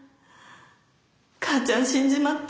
母ちゃん死んじまって。